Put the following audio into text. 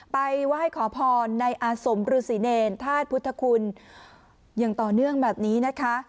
ไปไหว้ขอพรในอาสมฤษีเนรธาตุพุทธคุณอย่างต่อเนื่องแบบนี้นะคะ